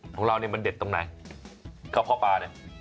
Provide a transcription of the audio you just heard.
ของเราเนี่ยมันเด็ดตรงไหนกระเพาะปลาเนี่ย